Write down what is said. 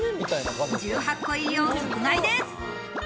１８個入りを即買いです。